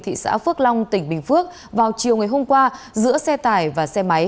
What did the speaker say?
thị xã phước long tỉnh bình phước vào chiều ngày hôm qua giữa xe tải và xe máy